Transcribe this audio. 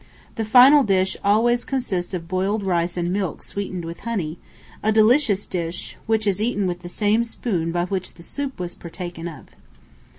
The final dish always consists of boiled rice and milk sweetened with honey, a delicious dish, which is eaten with the same spoon by which the soup was partaken of.